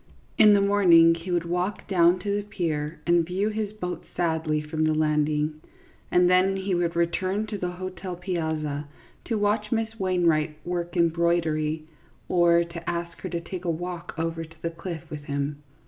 In the morning he would walk down to the pier and view his boat sadly from the landing, and then he would return to the hotel piazza. to watch Miss Wainwright work embroidery, or to ask her to take a walk over to the cliff with him.